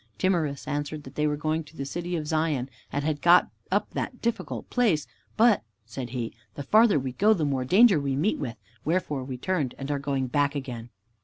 Timorous answered that they were going to the City of Zion and had got up that difficult place. "But," said he, "the farther we go, the more danger we meet with, wherefore we turned and are going back again."